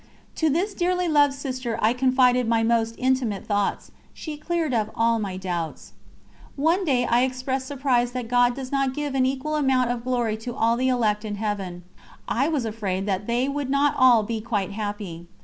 To this dearly loved sister I confided my most intimate thoughts; she cleared up all my doubts. One day I expressed surprise that God does not give an equal amount of glory to all the elect in Heaven I was afraid that they would not all be quite happy.